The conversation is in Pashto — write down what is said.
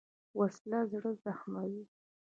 وسله زړه زخموي